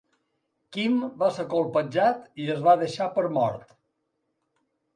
Kim va ser colpejat i es va deixar per mort.